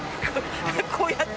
こうやって。